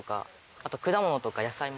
あと果物とか野菜も。